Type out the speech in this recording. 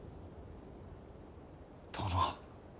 殿。